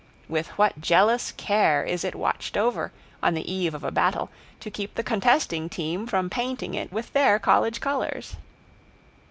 With what jealous care is it watched over on the eve of a battle to keep the contesting team from painting it with their college colors!